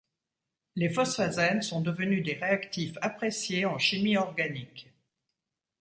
Les phosphazènes sont devenus des réactifs appréciés en chimie organique.